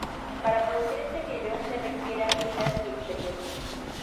Para producir este vidrio se requiere habilidad y experiencia.